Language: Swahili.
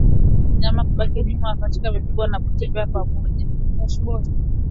Mnyama kubaki nyuma wakati mifugo wanapotembea pamoja